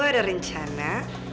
aku ada rencana